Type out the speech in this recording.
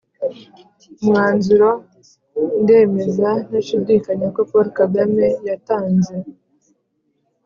umwanzuro ndemeza ntashidikanya ko paul kagame yatanze